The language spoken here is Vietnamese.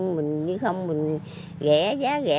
mình như không mình rẻ giá rẻ